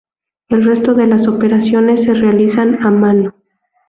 El resto de las operaciones se realizan a mano.